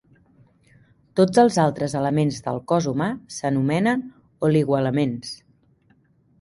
Tots els altres elements del cos humà s'anomenen "oligoelements".